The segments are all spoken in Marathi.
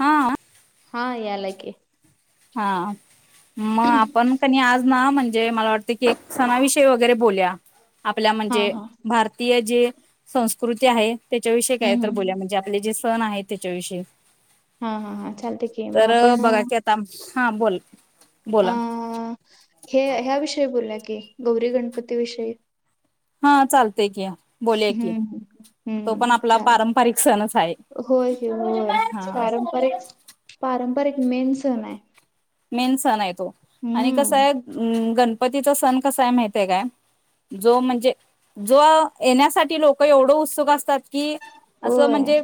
हा हा यालाक हा मग आपण कणी आज ना म्हण मला सणाविषय वरे ब आपल्या हा म्हणजे हा भारतीय जे संस्कृती आहे त्याच्याविषयी काय हम्म तर बोल हम्म म्हणजे आपले जे सण आहे त्याच्याविषयी हा हा हा चालते की मग तर आपण बघा की आता हा बोल बोला अं हे ह्या विषयी बोलल्या की गौरी गणपती विषयी ह हा चालतय की बोलया की हम्म तो पण हम्म आपला चालत पारंपरिक सणच आहे होय हा पारंपरिक पारंपरिक मेन सण आहे मेन सण आहे तो आणि कसा हम्म आहे गणपतीचा सण कसा आहे माहितय काय जो म्हणजे जो येण्यासाठी लोक एवढं उत्सुक असतात कि असं होय म्हणजे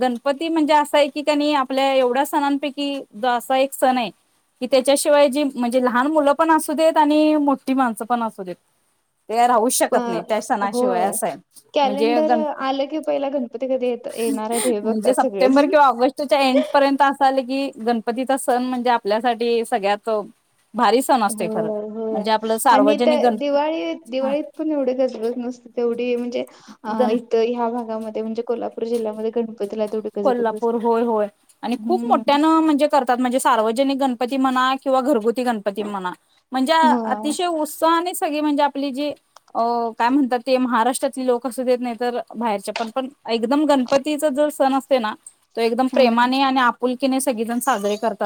गणपती म्हणजे असा आहे की काणी आपल्या एवढ्या सणांपैकी असा एक सण आहे कि त्याच्याशिवाय जी म्हणजे लहान मुलं पण असू देत आणि मोठी माणसं पण असू देत [inaudible] ते राहू प शकत नाही त्या सणाशिवाय होय असं आहे म्हणजे कॅलेंडर गण आलं की पहिला गणपती कधी येत येणार आहेत हे म्हणजे बघतात सप्टेंबर सगळेजण किंवा ऑगस्टच्या एंड पर्यंत असं आलं कि गणपतीचा सण म्हणजे आपल्यासाठी सगळ्यात भारी सण हो असतोय खरं होय म्हणजे आपलं आणि त्या सार्वजनिक गण दिवाळी हा दिवाळीत पण एवढे गजबत नसत तेवढी म्हणजे अ गण इथं ह्या भागामध्ये म्हणजे कोल्हापूर जिल्ह्यामध्ये गणप कोल्हापूर होय होय आणि खूप हम्म मोठ्यान म्हणजे करतात म्हणजे सार्वजनिक गण म्हणा किंवा घरगुती गणपती म्हणा म्हणजे होय अतिशय उत्सा सगळे म्हणजे आपली जे अ काय म्हणतात ते महाराष्ट्रातले लोक असू देत नाहीत बाहेरच्या पण पण एकदम गणपतीचा जो सण असते ना तो एकदम हम्म प्रेमाने आणि आप पुलकीेने सगळेजण साजरे करत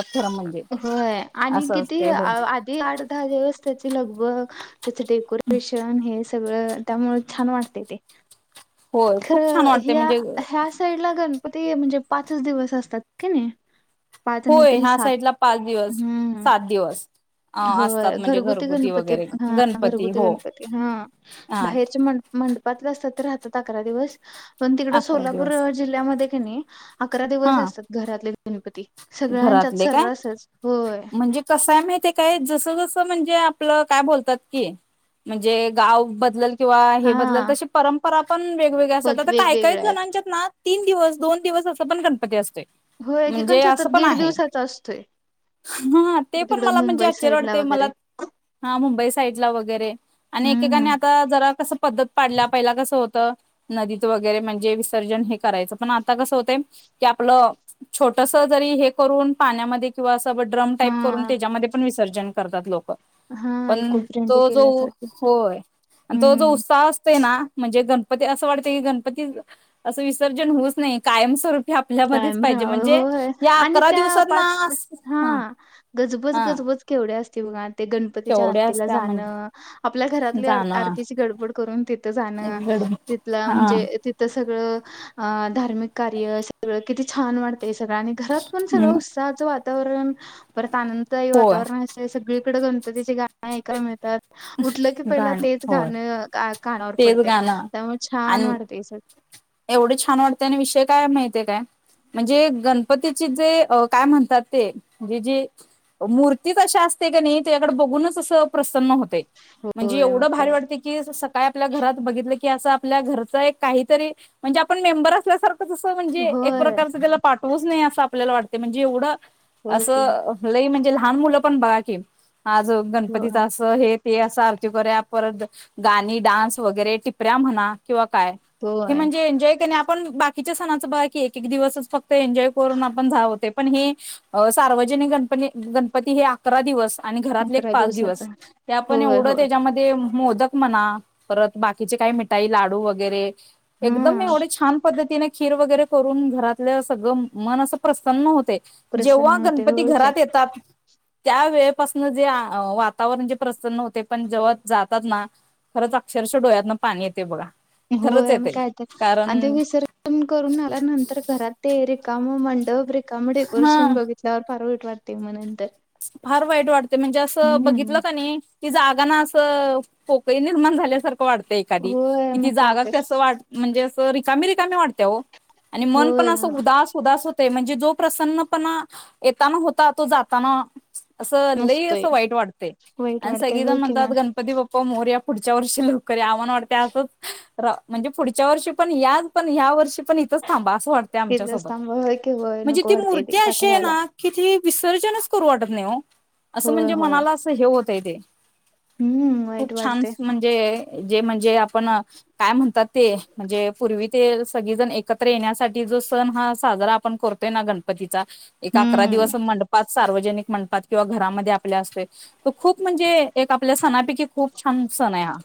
होय आणि किती असते होय आधी आठ दहा दिवस त्याची लगभग त्याचं डेकोरेशन हे सगळं त्यामुळे छान वाटते ते होय खूप छान खरं वाटते ह्या म्हणजे ह्या साईड ला गण ते म्हणजे पाच दिवस असतात का नाही पाच नाही होय तरी ह्या सात साईडला पाच दिवस हम्म सात दिवस अ हो असतात म्हणजे घरगुती गणपती वगैरे हा गणपती घरगुती हो गणपती हा हा बाहेरचे म मंडपातलं असतात ते राहतात अकरा दिवस पण तिकड अकरा सोलापूर दिवस जिल्ह्यामध्ये क नाही अकरा हा दिवस असतात घरातले गणपती सगळ्यांच्यात घरातले काय सर्रासच होय म्हणजे कसाय मा ते काय जस म्हणजे आप काय बतात क म्हणजे गा बल किंवा हे बदल हा तशी परंपरा पण वेगवेगळे असत बद आता काय काहीच वेगवेगळ्या आहेत जणांच्यात ना तीन दिवस दोन दिवस असं पण गणपती असतोय होय की म्हणजे कोणच्या तर असं पण दीड आहे दिवसाचा असतोय हा ते पण तिकड मला म्हणजे मुंबई आश्चर्य साईड ला वाटते मला वगैरे हा मुंबई साईड ला वगैरे आणि एकेकाने हम्म आता जरा कस पद्धत पाडल्या पहिला कस होत नदीच वरे म्हणजे विसर्जन हे करायच पण आता कसं होत की आपलं छो छोटस जरी हे करून पाण्यामध्ये किंवा असं ड्रम टाईप करून हा त्याच्यामध्ये पण विसर्जन करतात लोक हा पण इको फ्रेंडली तो जो केल्यासारखं होय आणि तो जो हम्म उत्साह असते ना म्हणजे गणपती असं वाटत की गणपती असं विसर्जन होऊच नाही कायम स्वरूप कायम राहाव होय आणि अकरा त्या दिवसात ना पाच हा गजबज हा गजबज केवढ्या असते बघ ते गणपतीच्या केवढ्या आरतीला असत्या जाणं म्हणजे आपल्या घरातल्या आर जाणं आरतीची गडबड करून तिथं जाणं गड तिथला हा म्हणजे तिथ सगळं अ धार्मिक कार्य सगळं किती छान वाटत ते सगळं आणि घरात पण सगळं उत्साहाचं वातावरण परत आनंददायी होय वातावरण असते सगळीकडे गणपतीचे गाणे ऐकायला मिळतात उठलं की पहिला गाणं तेच होय गाण का कानावर तेच पडते गाणं त्यामुळे छान आणि वाटते एवढे छान वाटते आणि विषय काय माहतीय काय म्हणजे गणपतीची जे काय म्हणतात ते म्हजे जे मूर्ती कशा असते का नाही तु याकडे बघूनच असं प्रसन्न होत म्हणजे होय मग एवढं भारी काय वाटते की सकाळी आपल्या घरात बघितलं असं आपल्या घरच काहीतरी म्हणजे आपण मेंबर असल्यासारख तसं म्हणजे एक होय प्रकारचं त्याला पाठवूच नाही असं आपल्याला वाटते म्हणजे एवढं होय की असं लई म्हणजे लहान मुलं पण बघा की आज गणपतीच होय असं हे ते असं अरती करूया परत गाणी डान्स वगैरे टिपऱ्या म्हणा किंवा काय ते होय म्हणजे एन्जॉय का ना आ पण बाकीच्या सणाच बघा कि एक एक दिवस फक्त एन्जॉय करून आपण [unintelligible] पण हि हा सर्वजनिक जेने गणपणी गणपती हे अकरा दिवस आणि घरातले एक अकरा पाच दिवसाचा दिवस जे ते आपण होय एवढं होय त्याच्यामध्ये मोदक म्हणा परत बाकीचे काही मिठाई लाडू वगैरे एकदम हा एवढे छान पद्ध तिने खीर वगैरे करून घरातलं सगळ मन असं प्रसन्न होतय. प्रसन्न जेव्हा होते गणपती होय घरात काय येतात त्या वेळेपासन जे वातावरण जे प्रसन्न होते पण जेव्हा जातात ना खरंच अक्षरशः डोळ्यात ना पाणी येते बघा खरंच होय आहे म ते काय तर अधी कारण विसर्जन करून आला नंतर घरात तेरे काम मंग मंडप रिकामं रिकामं डेकोरेशन हा बघितक्यावर फार वाईट वाटत म नंतर फार वाईट वाटते म्हणजे असं हम्म बघितलं का नाही ती जागा ना असं पोकळी निर्माण झाल्यासारखं वाटतं एखादी होय कि मग ती काय जागा तर कस वाट म्हणजे असं रिकामी रिकामी वाटते हो आणि मन पण होय असं उदास उदास हो ते म्हणजे जो प्रसन्नपणा येताना होता तो जाताना असं लई नसतोय असं वाईट वाटतेंय वाईट आणि वाटते सगले होय जण म्हणतात किंवा गणपती बाप्पा मोरया पुढच्या वर्षी लवक कारण आम्हाला वाटतय असंच म्हणजे पुढच्या वर्षी पण याच पण ह्या वर्षी पण इथच थांबा असं वाटतं आमच्या तिथंच सोबत, थांबा होय की होय म्हणजे नको ती वाटते ते मूर्ती अशी आहे पाठवायला ना की ती विसर्जनच करू वाटत नाही हो असं होय म्हणजे होय मनाला असं हे होतय ते हम्म खूप वाईट छान वाटते म्हणजे जे म्हणजे आपण काय म्हणतात ते म्हणजे पूर्वी ते सगळीजण एकत्र येण्यासाठी सण हा साजरा आपण करतोय ना गणपतीचा एक अकरा हम्म दिवस मंपडपात सार्वजनिक म्हणतात किंवा घरामध्ये आपल्या असते तर खूप म्हणजे एक आपल्या सणापैकी खूप छान सण आहे हा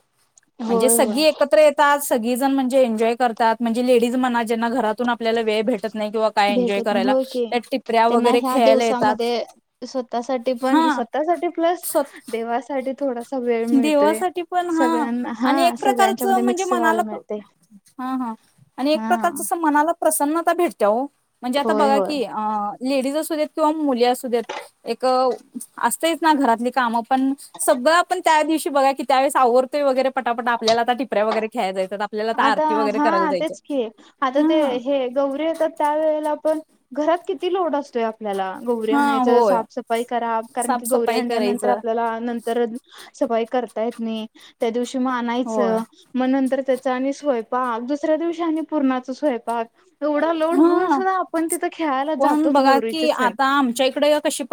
म्हणजे होय सगळी होय एकत्र येतात सगळी जण म्हणजे एन्जॉय करतात म्हणजे लेडीज म्हणा जना घरातून आपल्याला वेळ भेटत नाही किंवा काय एन्जॉय भेटत नाही करायला होय त्या टिपऱ्या वगैरे खेयला येतात ते स्वतःसाठी हा पण स्वतःसाठी प्लस स्वत देवासाठी थोडासा वेळ स्वतः मिळतोय साठी पण हा सगळ्यांना आणि एक हा प्रकारच सगळ्यांच्या मध्ये म्हणजे मिक्स मनाला व्हायला प मिळते हा हा आणि एक हा प्रकारच मनाला प्रसन्नता भेटते ओ म्हणजे आता होय बघा अ होय. की लेडीज असूदेत किंवा मुली अस असूद्यात एक असतेच ना घरातली काम पण सगळ आपण त्या दिवशी बघा कि आवरते वैगेरे पटापट आपल्याला आता टिप्या वगैरे् खेळायला जायचं आता हा तेच कि आता ते हा हे गौरी येतात त्यावेेळेला पण घरात किती लोड असतोया आपल्याला गौरी हा आणायचं होय साफसफाई करा कारण की गौरी साफसफाई आणल्यानंतर करायचं आपल्याला नंतर सफाई करता येत नाही त्या दिवशी मग होय आणायचं मग नंतर चा आणि स्वयंपाक दुसऱ्या दिवशी आणि पूर्णाचा स्वयंपाक. एवढा लोड होऊन हा सुद्धा आपण तिथं खेळायला पण जातोच बघा गौरीचे की सण. आता आमच्या इकडे कशी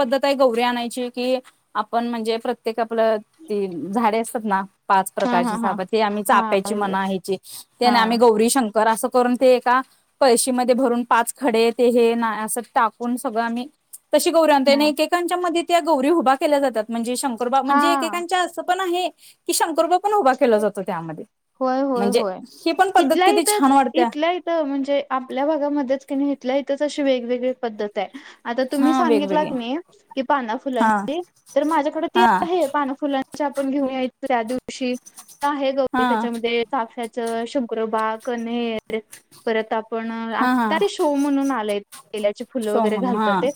[unintelligible] आणायची की आपण म्हणजे प्रत्येक आपलं ते झाडे असतात ना पाच हा हा हा प्रकारची [unintelligible] आम्ही चाप्याची हा मना हेची ते ना आम्ही हा गौरी शं कर अस करून ते एका कळशी मधे भरून पाच खडे ते हे ना अस टाकून सगळं आम्ही तशी गौर आणतोय अन् एकेकांच्या मध्ये त्या गौरी उभा केल्या जातात म्हजे शंकरोबा म्हणजे हा एकेकांच्या असतात पण आहे की शंकरोबा पण उभा केला जातो त्यामध्ये होय होय म्हणजे होय ही पण पद्धत किती इथल्याहीथच छान वाटत्या इथल्याहीथ म्हणजे आपल्या भागामध्येच कि नाही इथल्या इथच अशी वेगवेगळी पद्धत आहे. आता तुम्ही हा सांगितला वेगवेगळी की नई कि पाना हा फुलांची तर माझ्याकडे ती हा आहे पाना फुलां [unintelligible] आपण घेऊन यायच त्या दिवशी ते आहे ग हा त्याच्यामध्ये चाफ्या शंकरोबा [unintelligible] परत पण हा हा आता ते शो म्हणून आलंय तेल्याची फुलं वगैरे सोमम हा घालतात ते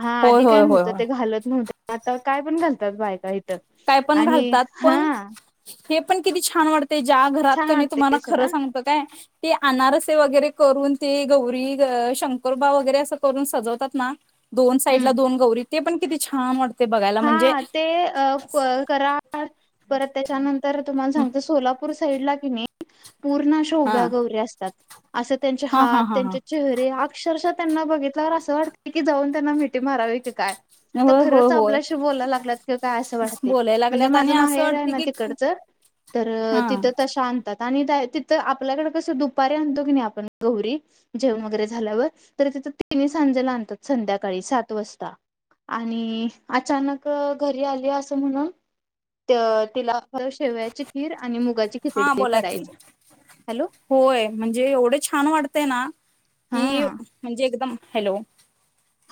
हा होय आधी काय होय होय नव्हत. होय ते घालत नव्हते आता काय पण घालतात बायका इथ काय पण आणि घालतात हा पण हे पण किती छान वाटतय ज्या घरात छान कनी तुम्हाला वाटते खरं सोडा सांगतो काय ते अनारसे वगैरे करून ते गौरी अ शंकरोबा वगैरे असं करून सजवतात ना दोन साईड हम्म ला दोन गौरी ते पण किती छान वाटते बघायला म्हणजे हा ते अ क कराड परत त्याच्यानंतर तुम्हाला सांगतो सोलापूर साईड ला कीनी पूर्ण अशा हा उभ्या गौरी असतात असं त्यांचे हा हा हात हा हा त्यांचे चेहरे अक्षरशा त्यांना बघितल्यावर असं वाटत की जाऊन त्यांना मिठी मारावी की काय. तर नव्ह हो खरंच आपल्याशी बोला लागल्यात कि काय असं वाटतय बोलायला म्हणजे लागल्यात आणि माझं असं माहेर आहे वाटते ना की तिकडचं तर हा तिथं तशा आणतात. आणि तिथं आपल्याकडे कसं दुपारी आणतो की नाही आपण गौरी जेवण वगैरे झाल्यावर तर ती तिन्हीसांजेला आणतात संध्याकाळी सात वाजता आणि अचानक घरी आली असं म्हणून त तिला शेवयाची खीर आणि मुगाची खिचडी हा हे बोला की करायचे. होय म्हणजे एवढे छान वाटतय ना हा की, म्हंजे एकदम हॅलो.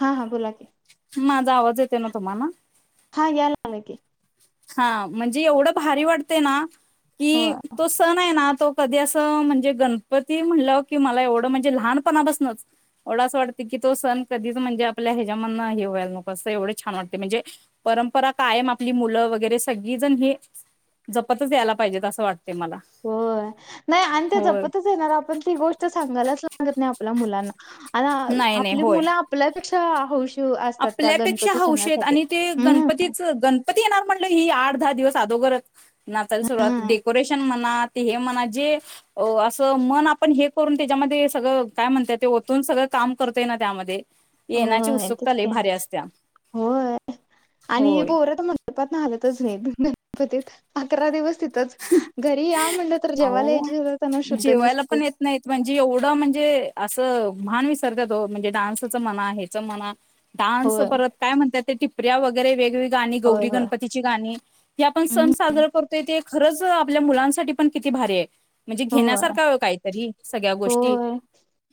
हा हा बोला की. माझा आवाज येतोय ना तुम्हाला? हां याय लागलाय की. हा म्हणजे एवढं भारी वाटतंय ना, हो की तो सण आहे ना तो कधी असं म्हणजे गणपती म्हणलं की, मला एवढं म्हणजे लहानपणा पासनच मला अस वाटतंय की तो सण कधीच म्हंजे आपल्या हेच्यामधन, हे व्हायला नको असं एवढं छान वाटतंय म्हजे रंपरा कायम आपली मुलं वगैरे सगळीजण हे, जपतच यायला पाहिजेत असं वाटतं त होय नाय आन ते होय जपतच येणार, आपण ती गोष्ट सांगायलाच गत नाही आपल्या मुलांना आ नाही नाही आपली होय मुलं आपल्यापेक्षा हौशी असतात त्या आपल्यापेक्षा गणपती हौशीयत सणासाठी आणि ते हम्म गणपतीच गण पती येणार म्हटलं ही आठ दहा दिवस अदोगरच नाचायला सुरुवात, हम्म डेकोरेशन म्हणा ते हे म्हणा जे ते हो असं मन आपण हे करून तेज्यामधे सगळं काय म्हणताय ते, ओतून सगळं काम करताय ना त्यामध्ये येण्याची होय. उत्सुकता लय भारी असत्या होय आणि होय पोर तर मंडपातन हालतच नाहीत. पतीत अकरा दिवस तिथंच घरी या म्हनल त आओ जेवायला पण येत नाहीत, म्हणजे एवढं म्हणजे ते असं भान विसरत्यातओ म्हंजे डानन्सच म्हणा, हेचं म्हणा डान्स होय परत काय म्हणत्यात ते टिपऱ्या वगैरे वेगवेगळी गाणी होय गौरी होय गणपतीची गाणी, हे आपण सण हम्म साजरं करतोय ते खरंच आपल्या मुलासाठी पण किती भारी आहे. म्हणजे होय घेण्यासारखा आहे ओ काही तरी, सगळ्या गोष्टी होय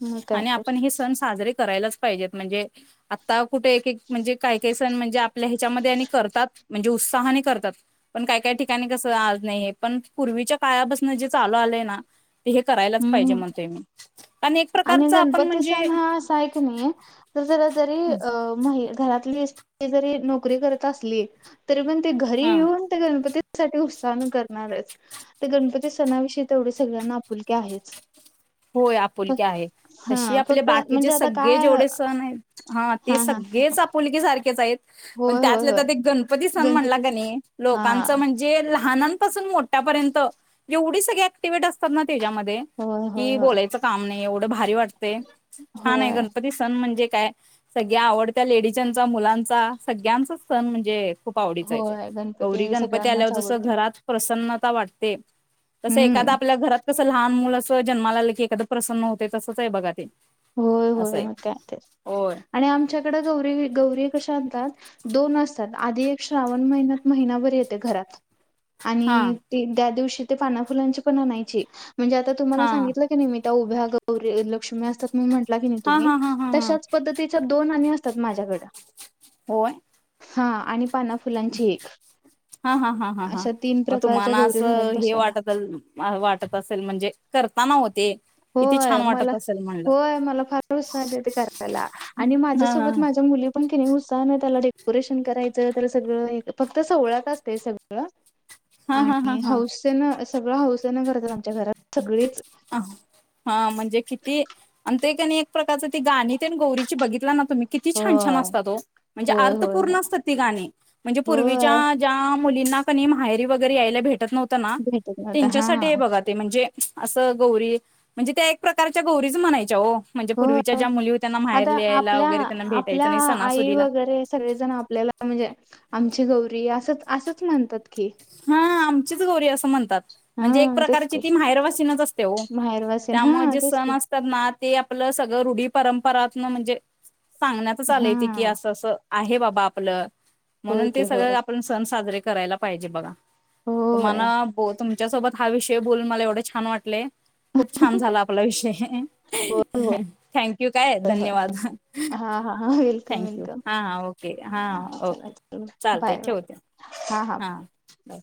मग काय आणि तर आपण हे सण साजरे करायलाच पाहिजेत म्हंजे आता कुठे एक एक म्हंजे काय काही सण म्हंजे आपल्या ह्याच्यामध्ये आणि करतात म्हणजे उत्साहाने करतात पण, काय काय ठिकाणी कसं आज नाही पण पूर्वीच्या काळपसन जे चालू आलेय ना, ते हे करायलाच पाहिजे हम्म म्हणते मी. एक आणि प्रकारच आपण गणपती म्हणजे सण हा असा आहे की नाही तो जरा जरी अ माहीत घरातली स्त्री जरी नोकरी करत असली तरी, पण ते घरी हा येऊन ते गणपतीत साठी उत्साहन करणारच ते गणपती सणा विषयी तेवढी सगळ्यांना आपुलकी आहेच. होय आपुलकि फक्त आहे तशी, हा आपले फक्त बाकीचे म्हणजे आता सगळे काय जेवढे सण आहेत हा ते सगळेच चा पूल की सारखी [unintelligible] पण होय होय त्यातल्या होय त्यात राक गणपती सन म्हणला कि गणपतीच नै हा लोकांच म्हंजे लहान त पासून मोठ्या पर्यंत रावढी सगळी ऍक्टिवेट असतात ना त्यांच्यामध्ये होय की होय होय बोलायचं काम नाही एव्हड भारी वाटतंय छानय होय गणपती सण म्हंजे काय सगळ्या आवडत्या लेडीजांचा, मुलांचा सगळ्यांचा सण म्हणजे खूप आवडीचाय होय गौरी गणपती सगळ्यांनाच आल्यावर जसं आवडते. घरात प्रसन्न नता वाटते कसं एखादं हम्म आपल्या घरांत कसं लहान मुलं असं जन्माला आलं की एखादं प्रसन्न होते तसंच आहे बघा ते. होय असं होय आहे मग त्या ते होय आणि आमच्याकडें गौरी गौरी कशा आणतात दोन असतात आधी एक श्रावण महिन्यात महिनाभर येते घरांत. हा आणि ते त्या दिवशी ते पाना फुलांची पण आणायची. म्हणजे आता तुम्हाला हा सांगितलं की नाही, मी त्या उभ्या गौरी लक्ष्मी असतात. म्हंटलं कि नै हा हा तुम्ही हा हा हा तश्याच पदतीची दोन आणि असं माझ्याकडं होय हां आणि पाना फुलांची एक. हा हा हा हा हां अशा तीन मग प्रकारच्या तुम्हाला गौरी घरात असं हे बसवायला वाटत वाटत असेल म्हणजे कर मामा होते किती छान होय मला वाटत असेल ना होय मला फार [unintelligible] आणि हा हा माझ्यासोबत माझ्या मुली पण कि नाही उत्साहन त्याला डेकोरेशन करायचं त्याला सगळं फक्त सोवळ्यात असतय सगळं. हा हा हा आणि हा हौसन सगळं हौसेनं करतात आमच्या घरात सगळेच हा म्हणजे किती आणि ते कणी एक प्रकारच ती गाणी त्या गौरीची बघितला न तुम्ही किती छान छान होय असता तो म्हणजे होय अर्थ होय पूर्ण होय असतात ती गाणी म्हणजे पूर्वीच्या होय ज्या मुंलीना कनै माहेरी वगरे याला भेटत नव्ह भेटत नव्हता हा त्यांच्यासाठी बघ म्हणजे असं गौरी म्हणजे त्या एक प्रकारच्या गौरीच म्हणायच्या हो. म्हणजे पूर्वीच्या होय ज्या मुली त्यांना बाहेर आता लि यायला आपल्या वगैरे त्यांना आपल्या भेटायचं नाही आई सणासुदीला वगैरे सगळेजण आपल्याला म्हणजे आमची गौरी अस असच म्हणतात की. ह आमचीच गौरी असं म्हणतात. म्हणजे एक हा तेच प्रकारची की ती माहेरवासिनच असते हो माहेरवासीन त्यामुळे हा जे तेच सण की असतात ना ते आपलं सगळं रुढी परंपरातन म्हणजे सांगण्यातच हा आलंय ते की असं असं आहे बाबा आपलं होय म्हणून की ते होय सगळं आपण सण साजरे करायला पाहिजे बघा. होय तुम्हाला तुमच्या सोबत हा विषय बोलून मला एवढं छान वाटले. खूप छान झाला आपला विषय, होय होय थँक यू काय, होय होय धन्यवाद. हा हा हा वेलकम थँक्यू वेलकम हा हा ओके हा ओके. चल चालतय बाय बाय. हा हा. ब